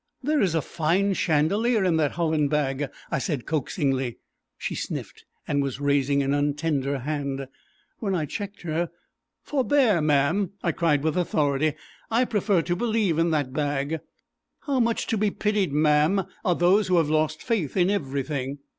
"There is a fine chandelier in that holland bag," I said coaxingly. She sniffed and was raising an untender hand, when I checked her. "Forbear, ma'am," I cried with authority, "I prefer to believe in that bag. How much to be pitied, ma'am, are those who have lost faith in everything."